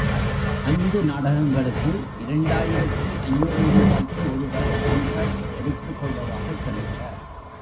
ஐந்து நாடகங்களுக்கு இரண்டு ஆயிரத்து ஐநூறு ரூபாய்க்கு ஒருவர் கண்டிராக்ட் எடுத்துக் கொள்வதாகச் சொல்லுகிறார்.